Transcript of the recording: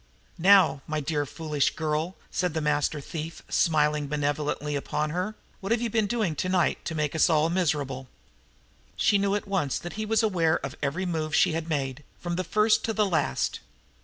"Now, my dear, foolish girl," said the master thief, smiling benevolently upon her, "what have you been doing tonight to make us all miserable?" She knew at once that he was aware of every move she had made, from the first to the last.